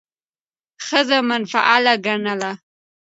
ښځه منفعله ګڼله،